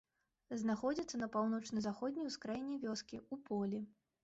Знаходзіцца на паўночна-заходняй ускраіне вёскі, у полі.